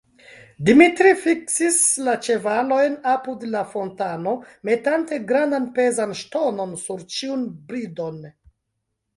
Dimitri fiksis la ĉevalojn apud la fontano, metante grandan pezan ŝtonon sur ĉiun bridon.